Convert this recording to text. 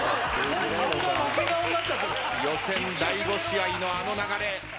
予選第５試合のあの流れ。